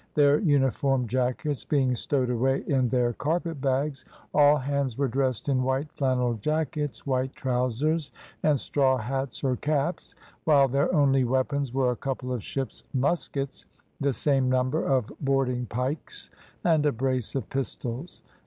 Their uniform jackets being stowed away in their carpet bags, all hands were dressed in white flannel jackets, white trousers, and straw hats or caps; while their only weapons were a couple of ships' muskets, the same number of boarding pikes, and a brace of pistols.